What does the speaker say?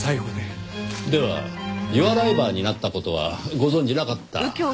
ではユアライバーになった事はご存じなかった？